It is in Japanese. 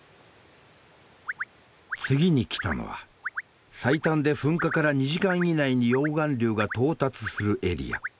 次に来たのは最短で噴火から２時間以内に溶岩流が到達するエリア。